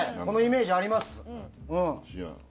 そのイメージあります。